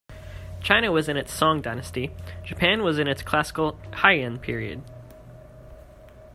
China was in its Song dynasty, Japan was in its classical Heian period.